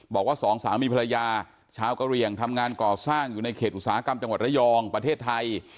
บอกว่าสองสามีภรรยาชาวกะเหลี่ยงทำงานก่อสร้างอยู่ในเขตอุตสาหกรรมจังหวัดระยองประเทศไทย